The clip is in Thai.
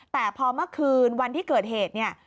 แต่พอเมื่อคืนวันที่เกิดเหตุเนี่ย